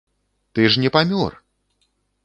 Ты ж не памёр!